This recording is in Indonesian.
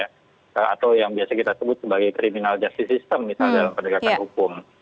atau yang biasa kita sebut sebagai criminal justice system misalnya dalam penegakan hukum